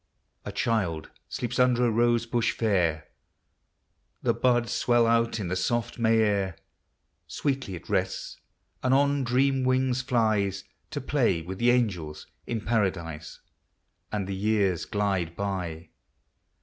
A Child sleeps under a rose bush fair, The buds swell out in the soft May air; Sweetly it rests, and on dream wings flics To play with the angels in Paradise. And the years glide by.